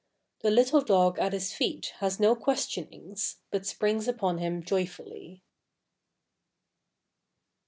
" The little dog at his feet has no questionings, but springs upon him joyfully.